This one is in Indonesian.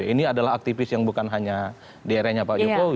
ini adalah aktivis yang bukan hanya di eranya pak jokowi